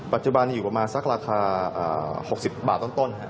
ปัจจุบันอยู่ประมาณสักราคา๖๐บาทต้น